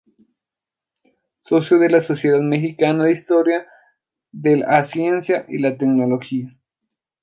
Socio de la Sociedad Mexicana de Historia del a Ciencia y la Tecnología.